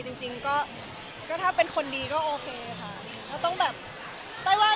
จริงก็ค่อนข้างถ้าสมมติว่าเขาจะมาคุยกับใครจริง